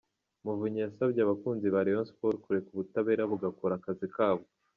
Muvunyi yasabye abakunzi ba Rayon Sports kureka ubutabera bugakora akazi kabwo.